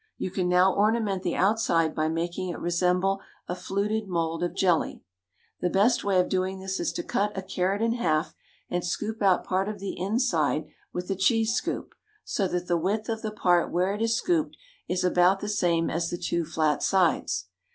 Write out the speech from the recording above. You can now ornament the outside by making it resemble a fluted mould of jelly. The best way of doing this is to cut a carrot in half and scoop out part of the inside with a cheese scoop, so that the width of the part where it is scooped is about the same as the two flat sides.